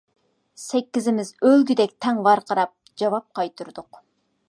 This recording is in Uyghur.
سەككىزىمىز ئۆلگۈدەك تەڭ ۋارقىراپ جاۋاب قايتۇردۇق.